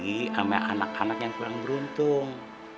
lagi sama anak anak yang kurang beruntung